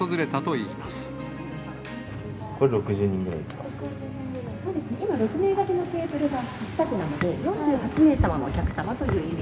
そうですね、今６名がけのテーブルが８卓なので、４８名様のお客様というイメ